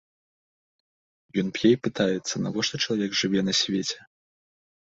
Ён п'е і пытаецца, навошта чалавек жыве на свеце.